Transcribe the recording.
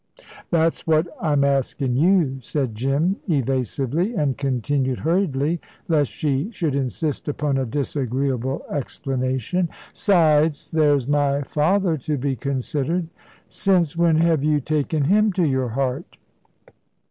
"That's what I'm askin' you," said Jim, evasively; and continued hurriedly, lest she should insist upon a disagreeable explanation, "'Sides, there's my father to be considered." "Since when have you taken him to your heart?"